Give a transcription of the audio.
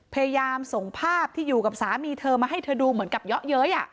พยายามส่งภาพที่อยู่กับสามีเธอมาให้เธอดูเหมือนกับเยาะเย้ย